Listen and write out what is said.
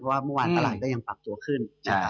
เพราะว่าตลาดยังปรับตัวขึ้น